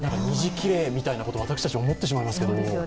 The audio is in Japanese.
虹、きれいみたいなことを私たち思ってしまいますけど。